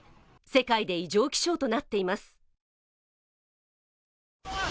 世界で異常気象となっています。